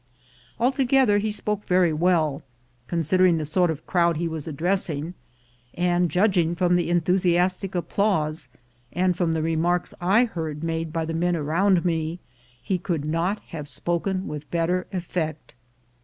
Altogether he spoke very well, consider ing the sort of crowd he was addressing; and judg ing from the enthusiastic applause, and from the re marks I heard made by the men around me, he could not have spoken with better effect.